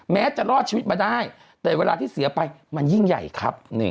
แม้จะรอดชีวิตมาได้แต่เวลาที่เสียไปมันยิ่งใหญ่ครับ